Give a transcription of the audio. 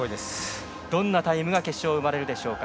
どんなタイムが決勝で生まれるでしょうか。